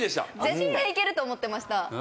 絶対いけると思ってました。